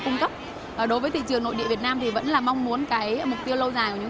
cung cấp đối với thị trường nội địa việt nam thì vẫn là mong muốn cái mục tiêu lâu dài của chúng